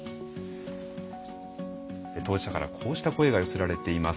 当事者からこうした声が寄せられています。